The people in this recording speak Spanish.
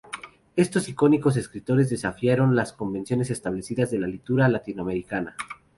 Estos icónicos escritores desafiaron las convenciones establecidas de la literatura latinoamericana.